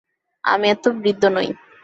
আমি এত্ত বৃদ্ধ নই।